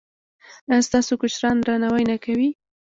ایا ستاسو کشران درناوی نه کوي؟